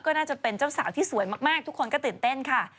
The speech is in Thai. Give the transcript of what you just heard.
ก็น่าจะเป็นเจ้าสาวที่สวยมากทุกคนก็ตื่นเต้นค่ะ